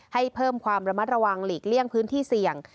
ให้เพิ่มความระมัดระวังหลีกเลี่ยงพื้นที่เสี่ยง